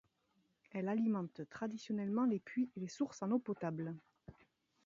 Elle alimente traditionnellement les puits et les sources en eau potable.